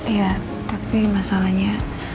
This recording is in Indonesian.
iya tapi masalahnya